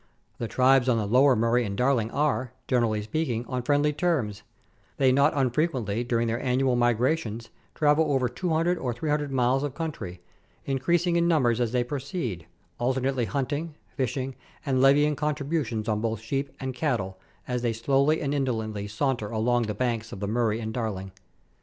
The tribes on the Lower Murray and Darling are, generally speaking, on friendly terms ; they not unfrequently during their annual migrations travel over 200 or 300 miles of country, increasiug in numbers as they proceed, alternately hunting, fishing, and levying contributions on both sheep and cattle, as they slowly and indolently saunter along the banks of the Murray and Darling.